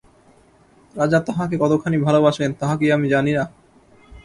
রাজা তাহাকে কতখানি ভালোবাসেন তাহা কি আমি জানি না?